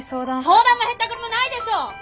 相談もへったくれもないでしょう！